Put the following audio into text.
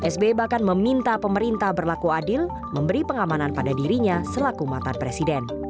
sbi bahkan meminta pemerintah berlaku adil memberi pengamanan pada dirinya selaku mantan presiden